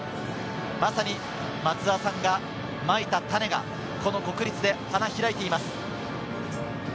まさに松澤さんがまいた種がこの国立で花開いています。